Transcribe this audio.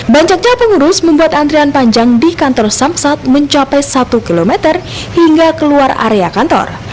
banyaknya pengurus membuat antrian panjang di kantor samsat mencapai satu km hingga keluar area kantor